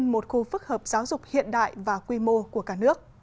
đây là một khu phức hợp giáo dục hiện đại và quy mô của cả nước